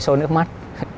xôi nước mắt